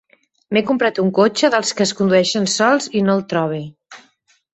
M’he comprat un cotxe dels que es condueixen sols i no el trobe.